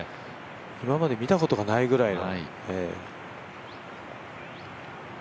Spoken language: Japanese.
今まで見たことがないぐらいの。